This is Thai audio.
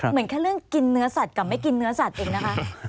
เหมือนแค่เรื่องกินเนื้อสัตว์กับไม่กินเนื้อสัตว์เองนะคะ